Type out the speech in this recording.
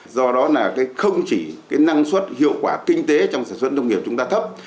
do đó là không chỉ cái năng suất hiệu quả kinh tế trong sản xuất nông nghiệp chúng ta thấp